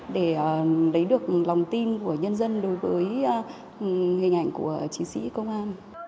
để lấy được lòng tin của nhân dân đối với hình ảnh của chiến sĩ công an